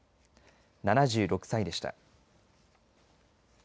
７６歳でした。